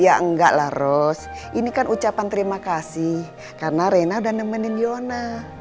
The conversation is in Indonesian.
ya enggak lah ros ini kan ucapan terima kasih karena rena udah nemenin yona